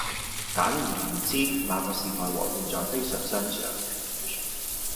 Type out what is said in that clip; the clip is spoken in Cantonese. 簡而言之，那個時代和現在非常相像